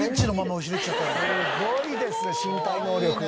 すごいですね身体能力。